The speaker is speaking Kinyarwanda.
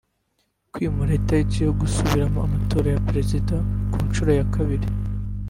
kwimura italiki yo gusubiramo amatora ya perezida ku nshuro ya kabiri